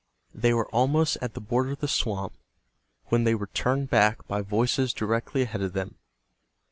They were almost at the border of the swamp when they were turned back by voices directly ahead of them.